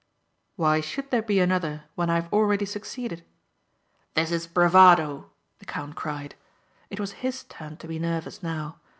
"Why should there be another when I have already succeeded?" "This is bravado," the count cried. It was his turn to be nervous now.